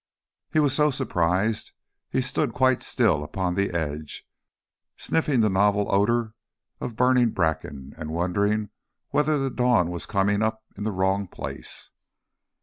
He was so surprised he stood quite still upon the edge, sniffing the novel odour of burning bracken, and wondering whether the dawn was coming up in the wrong place.